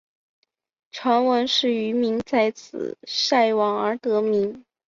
传闻是渔民在此晒网而得名。